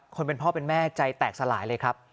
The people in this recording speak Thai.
คนเป็นพ่อเป็นแม่ใจแตกสลายเลยครับ